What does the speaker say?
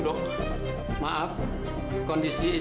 dia akan beritahunya